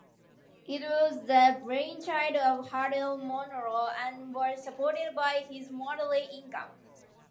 It was the brainchild of Harold Monro, and was supported by his moderate income.